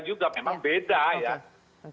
juga memang beda ya